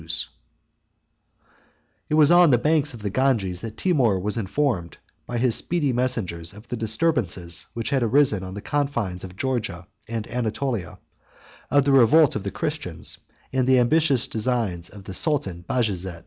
] It was on the banks of the Ganges that Timour was informed, by his speedy messengers, of the disturbances which had arisen on the confines of Georgia and Anatolia, of the revolt of the Christians, and the ambitious designs of the sultan Bajazet.